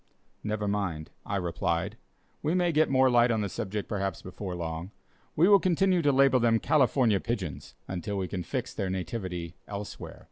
"Never mind," I replied, "we may get more light on the subject, perhaps, before long. We will continue to label them 'California Pigeons' until we can fix their nativity elsewhere."